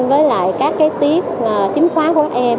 tại các cái tiếp chính khóa của các em